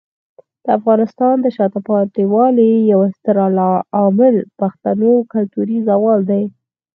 د افغانستان د شاته پاتې والي یو ستر عامل پښتنو کلتوري زوال دی.